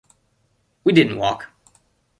We didn't walk.